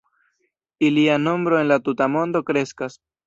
Ilia nombro en la tuta mondo kreskas.